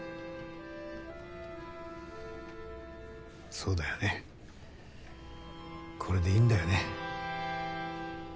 そうだよねこれでいいんだよね。